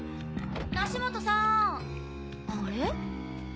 梨元さんあれ？